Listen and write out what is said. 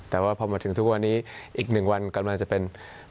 แต่ว่าพอมาถึงทุกวันนี้อีก๑วันกำลังจะเป็น